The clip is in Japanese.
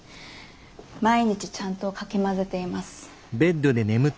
毎日ちゃんとかき混ぜています。